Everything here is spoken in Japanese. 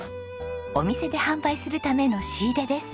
お店で販売するための仕入れです。